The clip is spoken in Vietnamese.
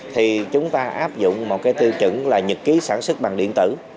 thì chúng ta áp dụng một cái tiêu chuẩn là nhật ký sản xuất bằng điện tử